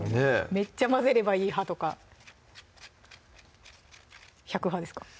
めっちゃ混ぜればいい派とか１００派ですか？